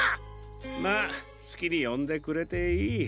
まあすきによんでくれていい。